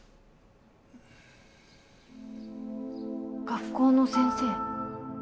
学校の先生？